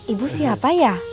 ibu siapa ya